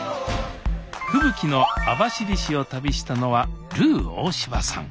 吹雪の網走市を旅したのはルー大柴さん